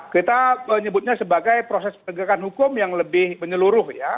kita menyebutnya sebagai proses penegakan hukum yang lebih menyeluruh ya